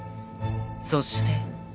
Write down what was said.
そして］